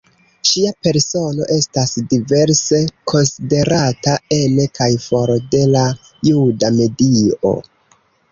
Ŝia persono estas diverse konsiderata ene kaj for de la juda medio.